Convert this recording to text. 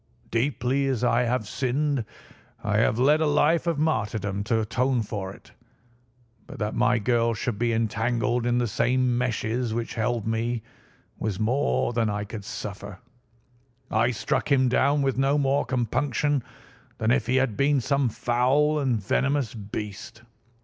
Deeply as I have sinned, I have led a life of martyrdom to atone for it. But that my girl should be entangled in the same meshes which held me was more than I could suffer. I struck him down with no more compunction than if he had been some foul and venomous beast.